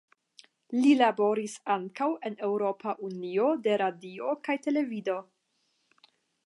Li laboris ankaŭ en Eŭropa Unio de Radio kaj Televido.